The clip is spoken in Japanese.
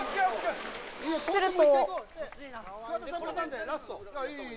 すると。